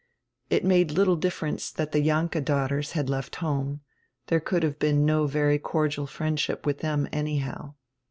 It made little difference that the Jahnke daughters had left home; there could have been no very cordial friendship with them anyhow.